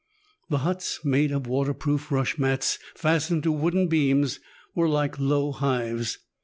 The huts, made of water proof rush mats fastened to wooden beams, were like low hives.